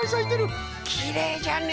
きれいじゃね！